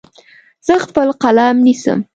زه خپل قلم نیسم.